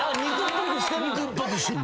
・肉っぽくしてるんだ。